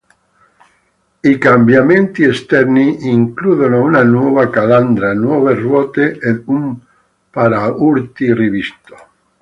I cambiamenti esterni includono una nuova calandra, nuove ruote ed un paraurti rivisto.